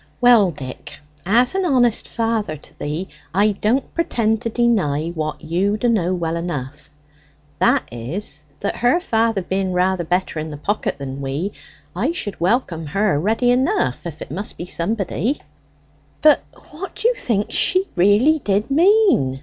Well, Dick, as an honest father to thee, I don't pretend to deny what you d'know well enough; that is, that her father being rather better in the pocket than we, I should welcome her ready enough if it must be somebody." "But what d'ye think she really did mean?"